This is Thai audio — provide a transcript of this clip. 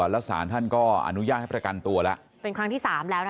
แล้วสารท่านก็อนุญาตให้ประกันตัวแล้วเป็นครั้งที่สามแล้วนะคะ